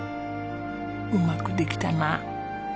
「うまくできたなあ」。